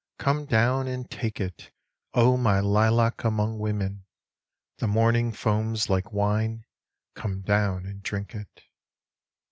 Come down and take it, O my Lilac among Women. The morning foams like wine ; come down and drink it.